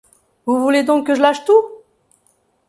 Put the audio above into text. Vous voulez donc que je lâche tout...